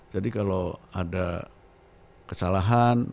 jadi kalau ada kesalahan